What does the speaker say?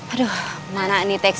aduh mana ini teksi